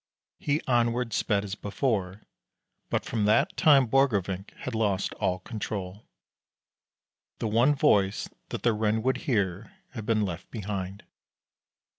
He onward sped as before, but from that time Borgrevinck had lost all control. The one voice that the Ren would hear had been left behind.